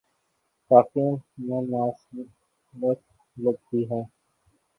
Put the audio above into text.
کافی مماثلت لگتی ہے۔